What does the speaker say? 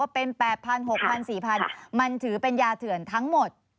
เป็น๘๐๐๖๐๐๔๐๐บาทมันถือเป็นยาเถื่อนทั้งหมด